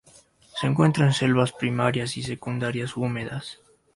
Se encuentra en selvas primarias y secundarias húmedas.